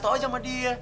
gak tau aja sama dia